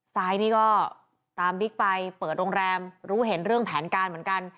ซ้ายนี่ก็ตามบิ๊กไปเปิดโรงแรมรู้เห็นเรื่องแผนการเหมือนกัน